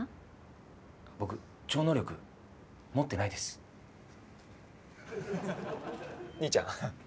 僕超能力持ってないです。兄ちゃん？